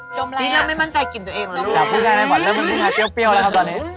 อิ๊ตเรามันไม่มั่นใจกินตัวเองหรอกลูกจำอะไรอยู่ค่ะพูดยังไงค่ะเริ่มมั่นกะเปรี้ยวแล้วครับตอนนี้